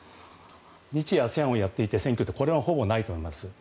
日・ＡＳＥＡＮをやっていて選挙はほぼないと思います。